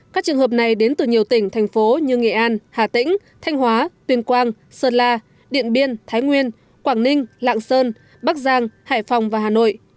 các trường hợp này đến từ nhiều tỉnh thành phố như nghệ an hà tĩnh thanh hóa tuyên quang sơn la điện biên thái nguyên quảng ninh lạng sơn bắc giang hải phòng và hà nội